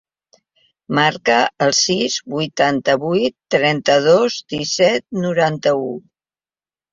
Marca el sis, vuitanta-vuit, trenta-dos, disset, noranta-u.